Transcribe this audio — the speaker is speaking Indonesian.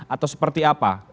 atau seperti apa